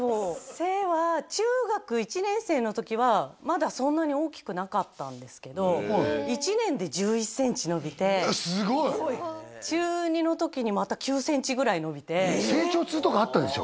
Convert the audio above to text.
背は中学１年生の時はまだそんなに大きくなかったんですけど１年で１１センチ伸びてえっすごい中２の時にまた９センチぐらい伸びて成長痛とかあったでしょ？